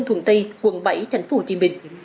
thuận tây quận bảy thành phố hồ chí minh